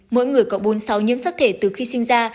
mỗi người có bốn sao nhiễm sắc thể từ khi sinh ra